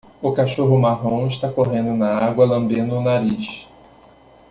O cachorro marrom está correndo na água lambendo o nariz.